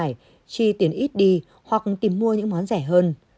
không phải chi tiền ít đi hoặc tìm mua những món rẻ hơn